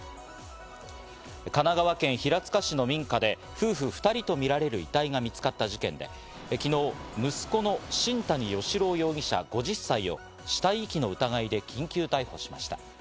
神奈川県平塚市の民家で夫婦２人とみられる遺体が見つかった事件で、昨日、息子の新谷嘉朗容疑者、５０歳を死体遺棄の疑いで緊急逮捕しました。